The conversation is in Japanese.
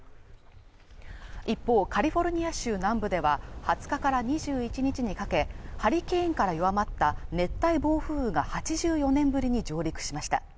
一方カリフォルニア州南部では２０日から２１日にかけハリケーンから弱まった熱帯暴風雨が８４年ぶりに上陸しました